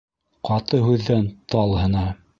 Ҡаты һүҙҙән тал һына